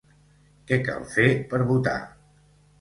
Què cal fer per votar?